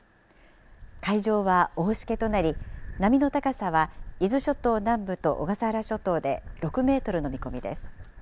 海上は大しけとなり、波の高さは伊豆諸島南部と小笠原諸島で６メートルの見込みです。